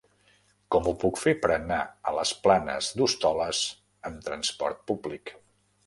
Com ho puc fer per anar a les Planes d'Hostoles amb trasport públic?